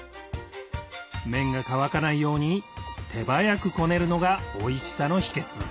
麺が乾かないように手早くこねるのがおいしさの秘訣